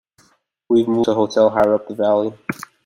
We have moved to an hotel higher up the valley.